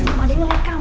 kamu ada yang mau